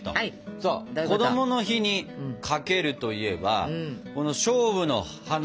そうこどもの日に「かける」といえばこの「菖蒲」の花。